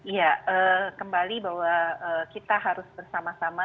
iya kembali bahwa kita harus bersama sama